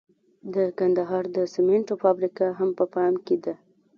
د کندهار د سمنټو فابریکه هم په پام کې ده.